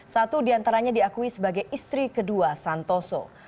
satu diantaranya diakui sebagai istri kedua santoso